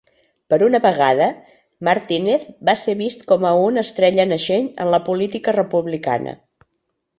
Per una vegada, Martinez va ser vist com a una "estrella naixent" en la política republicana.